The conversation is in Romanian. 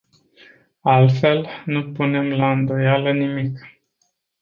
Altfel, nu punem la îndoială nimic.